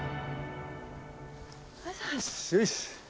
よし！